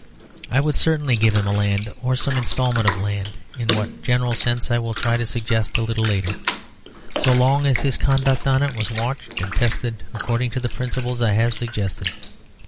I would certainly give him a land or some instalment of the land, (in what general sense I will try to suggest a little later) so long as his conduct on it was watched and tested according to the principles I have suggested.